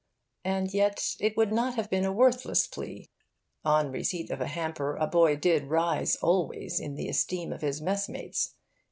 And yet it would not have been a worthless plea. On receipt of a hamper, a boy did rise, always, in the esteem of his mess mates.